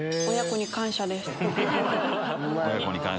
親子に感謝。